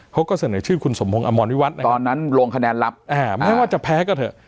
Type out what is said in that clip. เขาก็เสนอชื่อคุณสมพงศ์อมรวิวัตรตอนนั้นลงคะแนนลับแม้ว่าจะแพ้ก็เถอะ